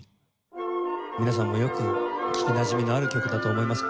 皆さんもよく聴きなじみのある曲だと思います